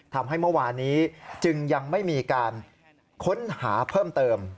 เมื่อวานี้จึงยังไม่มีการค้นหาเพิ่มเติม